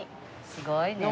すごいね。